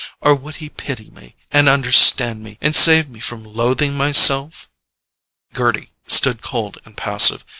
Or would he pity me, and understand me, and save me from loathing myself?" Gerty stood cold and passive.